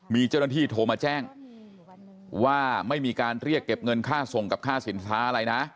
มีเจ้าหน้าที่โทรมาแจ้งว่าไม่มีการเรียกเก็บเงินค่าส่งกับค่าสินค้าอะไรนะ